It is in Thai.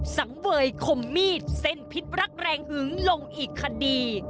สังเวยคมมีดเส้นพิษรักแรงหึงลงอีกคดี